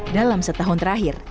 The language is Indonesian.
dalam setahun terakhir